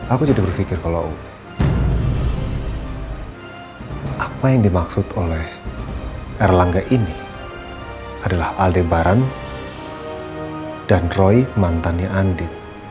aku jadi berpikir kalau apa yang dimaksud oleh erlangga ini adalah alde baran dan roy mantannya andi